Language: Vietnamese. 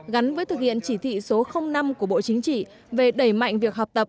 gắn với thực hiện chỉ thị số năm của bộ chính trị về đẩy mạnh việc học tập